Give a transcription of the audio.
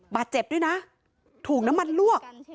บาดเจ็บด้วยนะถูกน้ำมันลวก